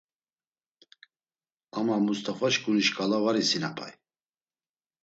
Ama Must̆afa şǩuni şǩala var isinapay.